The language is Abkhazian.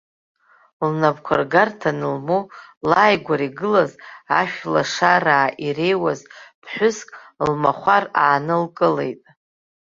Лнапқәа ргарҭа анылмоу, лааигәара игылаз, ашәлашараа иреиуаз ԥҳәыск лмахәар аанылкылеит.